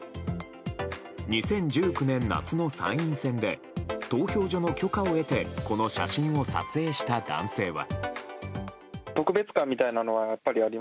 ２０１９年夏の参議院選挙で投票所の許可を得てこの写真を撮影した男性は。